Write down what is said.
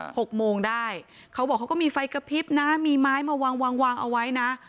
หกโมงได้เขาบอกเขาก็มีไฟกระพริบนะมีไม้มาวางวางวางเอาไว้นะ